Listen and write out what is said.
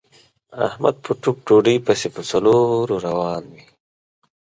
احمد په ټوک ډوډۍ پسې په څلور روان وي.